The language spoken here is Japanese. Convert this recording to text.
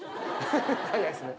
早いですね。